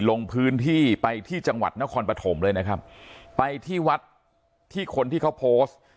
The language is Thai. ลงพื้นที่ไปที่จังหวัดนครปฐมเลยนะครับไปที่วัดที่คนที่เขาโพสต์